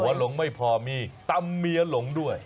หลงไม่พอมีตำเมียหลงด้วย